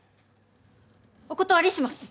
お断りします！